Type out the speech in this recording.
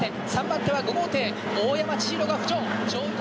３番手は５号艇大山千広が浮上。